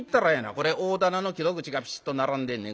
これ大店の木戸口がピシッと並んでんねん。